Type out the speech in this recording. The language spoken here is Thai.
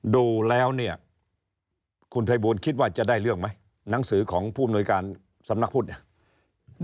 ดูแล้วเนี่ยคุณภัยบูลคิดว่าจะได้เรื่องไหมหนังสือของผู้อำนวยการสำนักพุทธเนี่ย